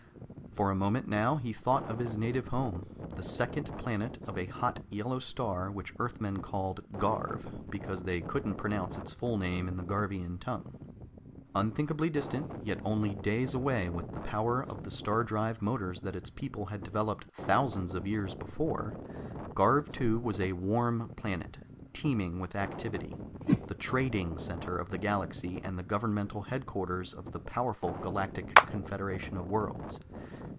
For a moment now he thought of his native home, the second planet of a hot yellow star which Earthmen called "Garv" because they couldn't pronounce its full name in the Garvian tongue. Unthinkably distant, yet only days away with the power of the star drive motors that its people had developed thousands of years before, Garv II was a warm planet, teeming with activity, the trading center of the galaxy and the governmental headquarters of the powerful Galactic Confederation of Worlds.